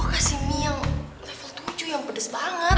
kasih mie yang level tujuh yang pedes banget